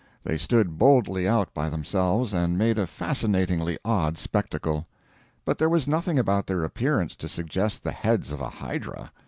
They stood boldly out by themselves, and made a fascinatingly odd spectacle. But there was nothing about their appearance to suggest the heads of a hydra.